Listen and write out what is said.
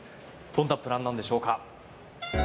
どんなプランなんでしょうか。